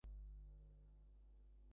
ললাটে কী বুদ্ধি!